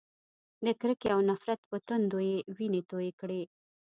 د کرکې او نفرت په تندو یې وینې تویې کړې.